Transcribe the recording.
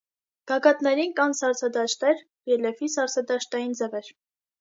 Գագաթներին կան սառցադաշտեր, ռելիեֆի սառցադաշտային ձևեր։